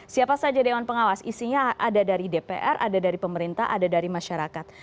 siapa saja dewan pengawas isinya ada dari dpr ada dari pemerintah ada dari masyarakat